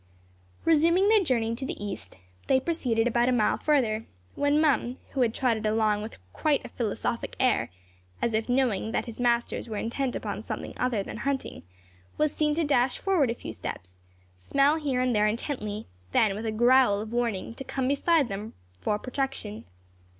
Resuming their journey to the east, they proceeded about a mile further, when Mum, who had trotted along with quite a philosophic air, as if knowing that his masters were intent upon something other than hunting, was seen to dash forward a few steps, smell here and there intently, then with a growl of warning to come beside them for protection.